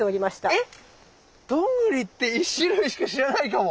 え⁉どんぐりって１種類しか知らないかも。